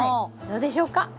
どうでしょうか？